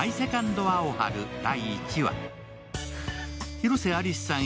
広瀬アリスさん